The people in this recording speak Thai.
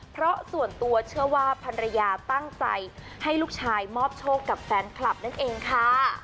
เพราะส่วนตัวเชื่อว่าพันรยาตั้งใจให้ลูกชายมอบโชคกับแฟนคลับนั่นเองค่ะ